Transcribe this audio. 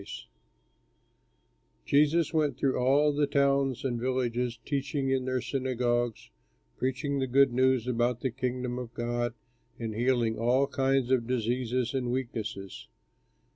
Slade] Jesus went through all the towns and villages, teaching in their synagogues, preaching the good news about the Kingdom of God, and healing all kinds of diseases and weaknesses.